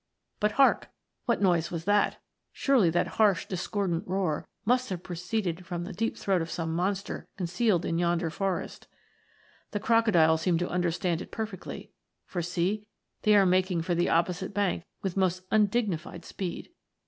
' But hark ! What noise was that ? Surely that harsh discordant roar must have proceeded from the deep throat of some monster concealed in yon der forest. The Crocodiles seem to understand it perfectly, for see, they are making for the opposite bank with most undignified speed.